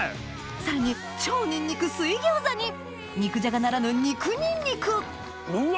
さらに超ニンニク水餃子に肉じゃがならぬ肉ニンニクうわ